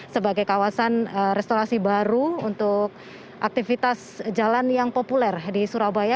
sebagai kawasan restorasi baru untuk aktivitas jalan yang populer di surabaya